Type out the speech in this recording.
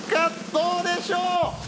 どうでしょう？